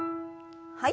はい。